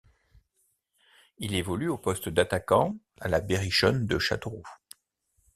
Il évolue au poste d'attaquant à La Berrichonne de Châteauroux.